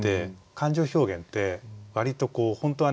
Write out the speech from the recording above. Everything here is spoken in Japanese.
感情表現って割と本当はね